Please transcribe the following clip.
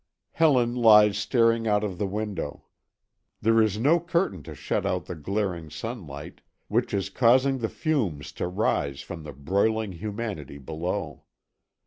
Helen lies staring out of the window. There is no curtain to shut out the glaring sunlight, which is causing the fumes to rise from the broiling humanity below.